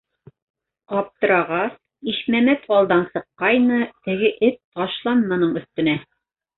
Аптырағас, Ишмәмәт алдан сыҡҡайны, теге эт ташлан мының өҫтөнә!